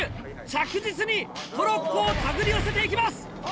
着実にトロッコを手繰り寄せていきます。